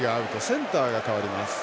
センターが代わります。